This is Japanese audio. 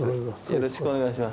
よろしくお願いします。